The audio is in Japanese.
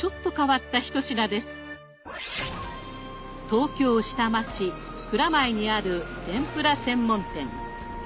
東京下町蔵前にある天ぷら専門店。